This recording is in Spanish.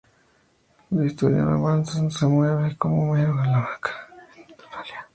La historia no avanza, se mueve como Homero en una hamaca y se tambalea.